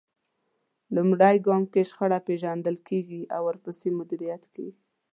لومړی ګام کې شخړه پېژندل کېږي او ورپسې مديريت کېږي.